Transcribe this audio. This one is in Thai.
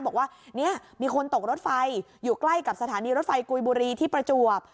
บอกว่าเนี่ยมีคนตกรถไฟอยู่ใกล้กับสถานีรถไฟกุยบุรีที่ประจวบ